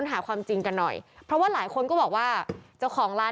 อาหารหลายอย่าง